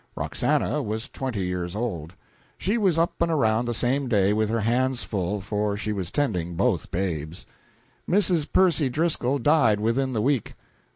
Roxana was twenty years old. She was up and around the same day, with her hands full, for she was tending both babies. Mrs. Percy Driscoll died within the week.